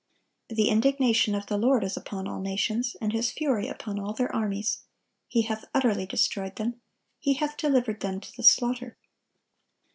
"The indignation of the Lord is upon all nations, and His fury upon all their armies: He hath utterly destroyed them, He hath delivered them to the slaughter."